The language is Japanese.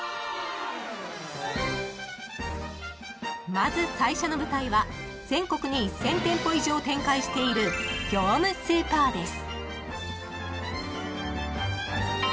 ［まず最初の舞台は全国に１，０００店舗以上展開している業務スーパーです］